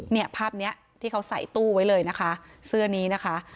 เนี่ยภาพเนี้ยที่เขาใส่ตู้ไว้เลยนะคะเสื้อนี้นะคะ